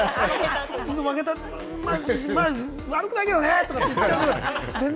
負けたのは、悪くないけどねとかね。言っちゃう。